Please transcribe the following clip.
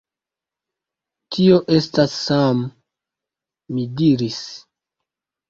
Tio estas Sam, mi diris.